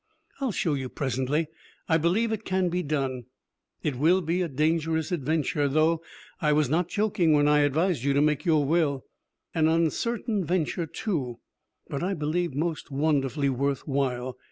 "I'll show you, presently. I believe it can be done. It will be a dangerous adventure, though; I was not joking when I advised you to make your will. An uncertain venture, too. But, I believe, most wonderfully worth while."